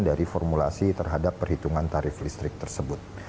dari formulasi terhadap perhitungan tarif listrik tersebut